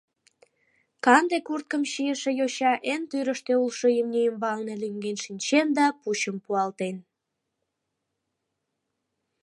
Канде курткым чийыше йоча эн тӱрыштӧ улшо имне ӱмбалне лӱҥген шинчен да пучым пуалтен.